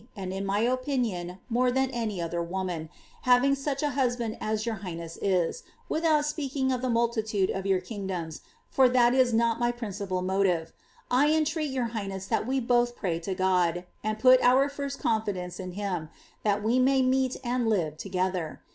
and in my opinion more than any other woman, liaving such a liu«banil as your highness is, without speaking of tlie mutlilude of your king doms, for (hat ia not my principal moiive), I entreat jrgur highness ilmi we bodi pray lo Ool. and pul ont first confidence in hira, that we may meet and liv* toother.